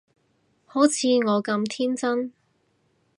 好似我咁天真